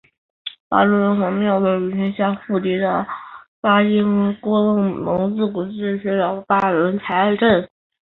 巴仑台黄庙位于天山腹地的巴音郭楞蒙古自治州和静县巴仑台镇。